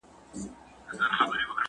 خفګان د فعالیت مخه نیسي.